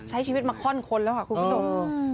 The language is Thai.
ใช้ชีวิตมาค่อนคนแล้วค่ะคุณผู้ชม